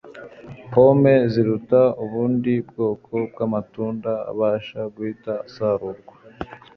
Pome ziruta ubundi bwoko bwamatunda abasha guhita asarurwa